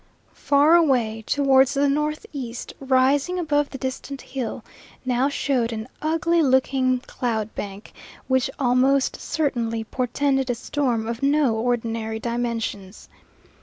Far away towards the northeast, rising above the distant hill, now showed an ugly looking cloud bank which almost certainly portended a storm of no ordinary dimensions.